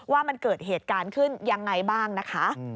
ว่ามันเกิดเหตุการณ์ขึ้นยังไงบ้างนะคะ